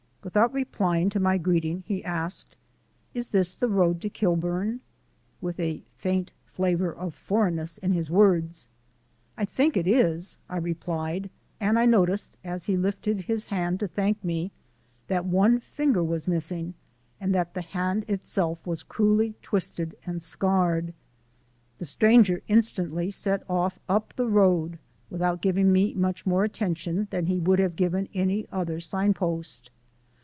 Without replying to my greeting, he asked: "Is this the road to Kilburn?" with a faint flavour of foreignness in his words. "I think it is," I replied, and I noticed as he lifted his hand to thank me that one finger was missing and that the hand itself was cruelly twisted and scarred. The stranger instantly set off up the Road without giving me much more attention than he would have given any other signpost.